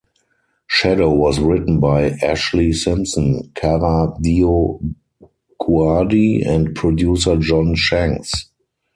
"Shadow" was written by Ashlee Simpson, Kara DioGuardi and producer John Shanks.